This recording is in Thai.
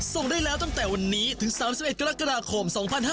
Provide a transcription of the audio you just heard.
ส่งได้แล้วตั้งแต่วันนี้ถึง๓๑กรกฎาคม๒๕๕๙